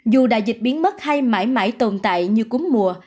dù đại dịch biến mất hay mãi mãi tồn tại như cúm mùa